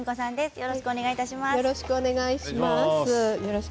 よろしくお願いします。